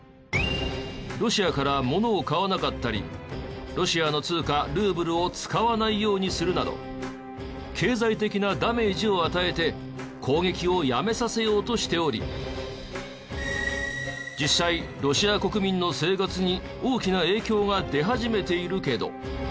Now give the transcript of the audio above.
ロシアから物を買わなかったりロシアの通貨ルーブルを使わないようにするなど経済的なダメージを与えて攻撃をやめさせようとしており実際ロシア国民の生活に大きな影響が出始めているけど。